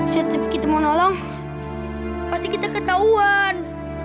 setiap kita mau nolong pasti kita ketahuan